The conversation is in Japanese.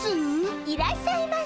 いらっしゃいませ。